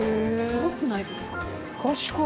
すごくないですか？